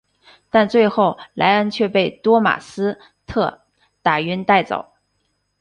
但最后莱恩却被多马斯特打晕带走。